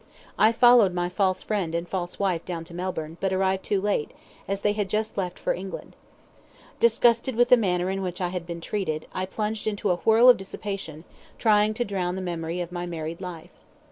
I followed my false friend and false wife down to Melbourne, but arrived too late, as they had just left for England. Disgusted with the manner in which I had been treated, I plunged into a whirl of dissipation, trying to drown the memory of my married life.